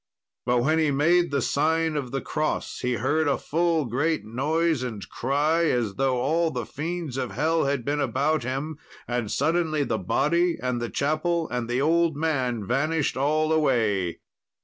But when he made the sign of the cross, he heard a full great noise and cry as though all the fiends of hell had been about him, and suddenly the body and the chapel and the old man vanished all away.